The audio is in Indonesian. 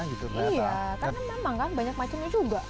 iya kan memang kan banyak macamnya juga